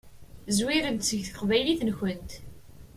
Zwiremt seg teqbaylit-nkent.